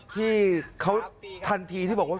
ที่เขาทันทีที่บอกว่า